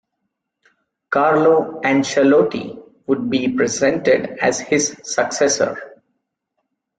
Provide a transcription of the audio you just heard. Carlo Ancelotti would be presented as his successor.